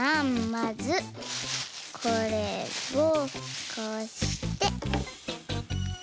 まずこれをこうして。